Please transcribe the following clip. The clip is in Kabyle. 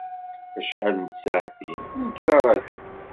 Acḥal n tsaɛtin nekk d araǧu.